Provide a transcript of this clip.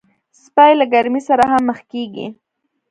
سپي له ګرمۍ سره هم مخ کېږي.